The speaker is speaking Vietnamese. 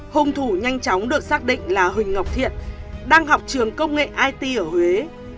hùng thủ nhanh chóng được xác định là huỳnh ngọc thiện đang học trường công nghệ it ở huế